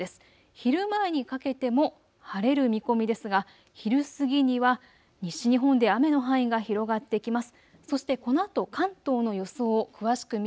昼前にかけても晴れる見込みですが昼過ぎには西日本で雨の範囲が広がってきます。